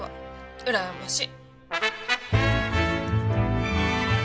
うらやましい。